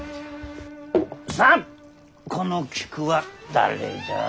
さあこの菊は誰じゃ？